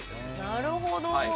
なるほど。